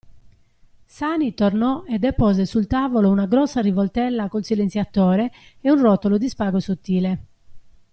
Sani tornò e depose sul tavolo una grossa rivoltella col silenziatore e un rotolo di spago sottile.